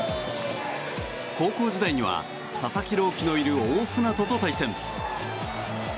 高校時代には佐々木朗希のいる大船渡と対戦。